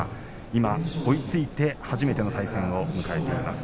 今、追いついて初めての対戦を迎えています。